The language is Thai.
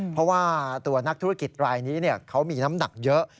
เพราะว่าตัวนักธุรกิจรายนี้เขามีน้ำหนักเยอะ